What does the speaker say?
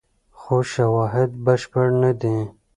خو شواهد بشپړ نه دي.